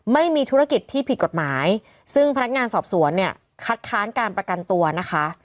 ไม่มีธุรกิจที่ผิดกฎหมายซึ่งพนักงานสอบสวนเนี่ยคัดค้านการประกันตัวนะคะ